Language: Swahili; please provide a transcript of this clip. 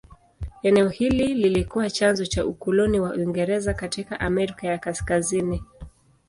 Eneo hili lilikuwa chanzo cha ukoloni wa Uingereza katika Amerika ya Kaskazini.